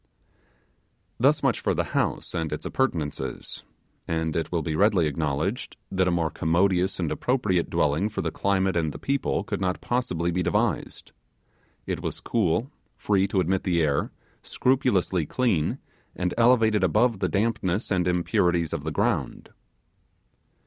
Thus much for the house, and its appurtenances; and it will be readily acknowledged that a more commodious and appropriate dwelling for the climate and the people could not possibly be devised. It was cool, free to admit the air, scrupulously clean, and elevated above the dampness and impurities of the ground.